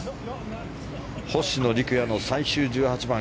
星野陸也の最終１８番。